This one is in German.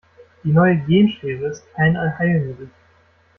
Die neue Genschere ist kein Allheilmittel.